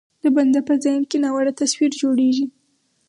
د بنده په ذهن کې ناوړه تصویر جوړېږي.